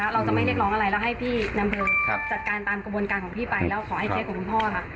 เราจะไม่เรียกร้องอะไรแล้วให้พี่นำเพลิงจัดการตามกระบวนการของพี่ไปแล้วขอให้เคสของคุณพ่อค่ะ